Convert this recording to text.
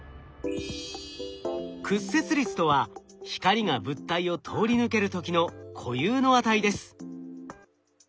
屈折率とは光が物体を通り抜ける時の固有の値です。